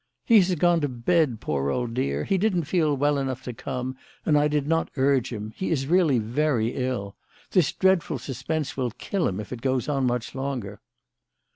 "He has gone to bed, poor old dear. He didn't feel well enough to come, and I did not urge him. He is really very ill. This dreadful suspense will kill him if it goes on much longer."